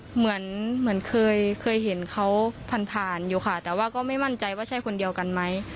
เหมือนเหมือนเคยเห็นเขาผ่านผ่านอยู่ค่ะแต่ว่าก็ไม่มั่นใจว่าใช่คนเดียวกันไหม